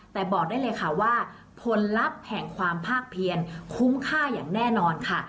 แต่บอกได้เลยค่ะว่าผลลัพธ์แห่งความภาคเพียนคุ้มค่าอย่างแน่นอนค่ะ